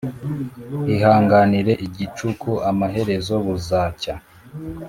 Ihanganire igicuku amaherezo buzacya